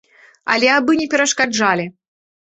Але абы не перашкаджалі.